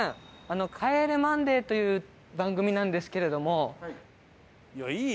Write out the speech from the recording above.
『帰れマンデー』という番組なんですけれども。